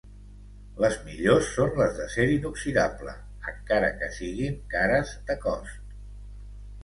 Les millors són les d'acer inoxidable, encara que siguin cares de cost.